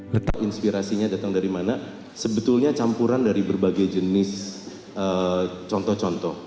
tentang inspirasinya datang dari mana sebetulnya campuran dari berbagai jenis contoh contoh